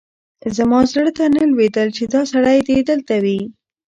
زما زړه ته نه لوېدل چې دا سړی دې دلته وي.